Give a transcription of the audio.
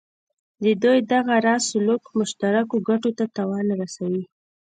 د دوی دغه راز سلوک مشترکو ګټو ته تاوان رسوي.